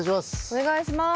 お願いします。